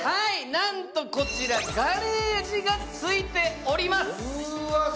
なんとこちらガレージがついております！